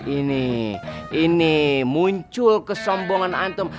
ini ini muncul kesombongan antum